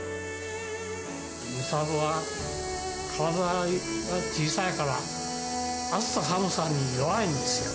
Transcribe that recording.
美里は体が小さいから、暑さ、寒さに弱いんですよ。